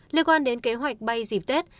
liên quan đến kế hoạch bay dịp tết